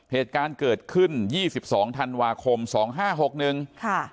เหตุการณ์เกิดขึ้นยี่สิบสองธันวาคมสองห้าหกหนึ่งค่ะ